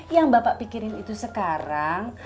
yang bapak pikirin itu sekarang